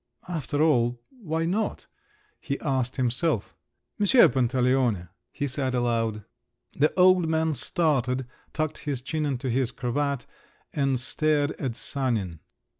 "After all … why not?" he asked himself. "M. Pantaleone!" he said aloud. The old man started, tucked his chin into his cravat and stared at Sanin.